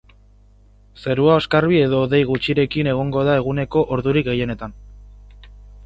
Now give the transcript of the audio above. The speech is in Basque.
Zerua oskarbi edo hodei gutxirekin egongo da eguneko ordurik gehienetan.